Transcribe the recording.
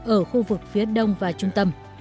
ở khu vực phía đông và trung tâm